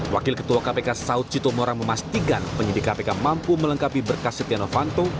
wakil ketua kpk saud citomorang memastikan penyidik kpk mampu melengkapi berkas setia novanto